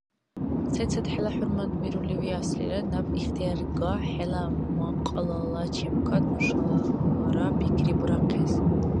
Сецад хӀела хӀурмат бирули виаслира, наб ихтияр га хӀела макьалала чебкад нушалара пикри бурахъес.